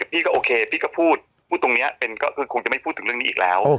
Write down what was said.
พี่ก็โอเคพี่ก็พูดพูดตรงนี้ก็คือคงจะไม่พูดถึงเรื่องนี้อีกแล้ว